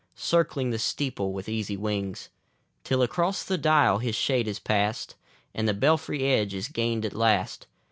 Circling the steeple with easy wings. Till across the dial his shade has pass'd, And the belfry edge is gain'd at last.